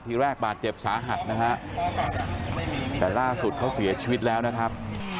ทีแรกบาดเจ็บสาหัสนะฮะแต่ล่าสุดเขาเสียชีวิตแล้วนะครับ